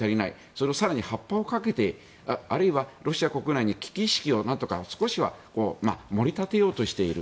それを更に発破をかけてあるいはロシア国内に危機意識を少しは盛り立てようとしている。